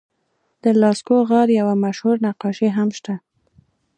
د لاسکو غار یوه مشهور نقاشي هم شته.